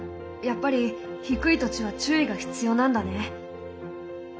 やっぱり低い土地は注意が必要なんだね。